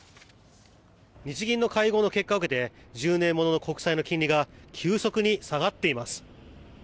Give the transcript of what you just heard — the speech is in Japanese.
「日銀の会合を受けて１０年物国債の金利が急速に下がっています」